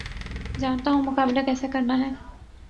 جانتا ہوں مقابلہ کیسے کرنا ہے